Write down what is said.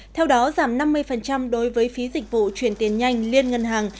theo đó giảm năm mươi đối với phí dịch vụ chuyển tiền nhanh liên ngân hàng